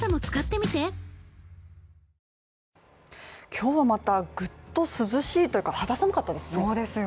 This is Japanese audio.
今日はまたぐっと涼しいというか肌寒かったですよね